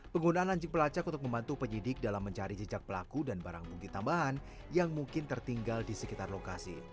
penggunaan anjing pelacak untuk membantu penyidik dalam mencari jejak pelaku dan barang bukti tambahan yang mungkin tertinggal di sekitar lokasi